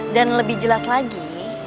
dan lebih jelas lagi